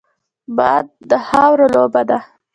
باد د خاورو لوبه ده